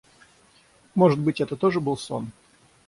Может быть, это тоже был сон?